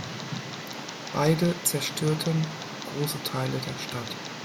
Beide zerstörten große Teile der Stadt.